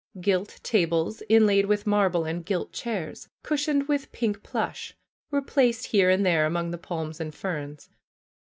Gilt tables inlaid with marble and gilt chairs, cushioned with pink plush, were placed here and there among the palms and ferns.